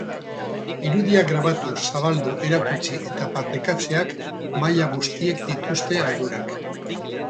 Irudiak grabatu, zabaldu, erakutsi eta partekatzeak, maila guztiek dituzte ardurak.